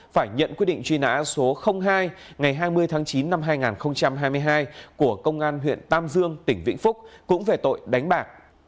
phải nhận quyết định truy nã số hai ngày hai mươi tháng chín năm hai nghìn hai mươi hai của công an huyện tam dương tỉnh vĩnh phúc cũng về tội đánh bạc